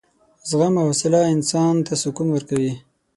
زغم او حوصله انسان ته سکون ورکوي.